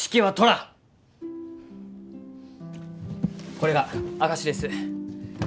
これが証しです。